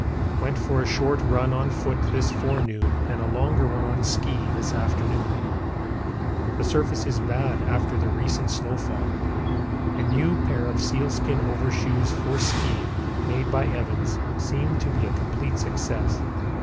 Went for a short run on foot this forenoon and a longer one on ski this afternoon. The surface is bad after the recent snowfall. A new pair of sealskin overshoes for ski made by Evans seem to be a complete success.